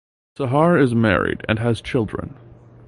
Sahar is married and has children.